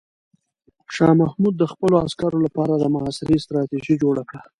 شاه محمود د خپلو عسکرو لپاره د محاصرې ستراتیژي جوړه کړه.